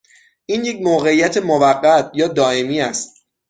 این یک موقعیت موقت یا دائمی است؟